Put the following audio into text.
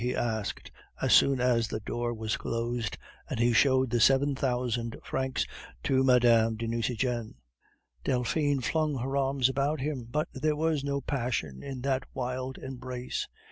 he asked, as soon as the door was closed, and he showed the seven thousand francs to Mme. de Nucingen. Delphine flung her arms about him, but there was no passion in that wild embrace.